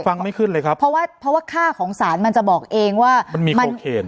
ฟังไม่ขึ้นเลยครับเพราะว่าเพราะว่าค่าของสารมันจะบอกเองว่ามันมีมันเขต